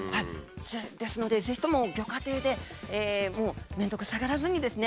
ですのでぜひともギョ家庭でもう面倒くさがらずにですね